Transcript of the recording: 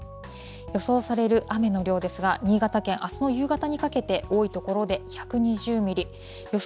予想される雨の量ですが、新潟県、あすの夕方にかけて多い所で１２０ミリ、予想